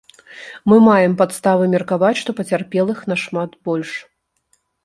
Мы маем падставы меркаваць, што пацярпелых нашмат больш.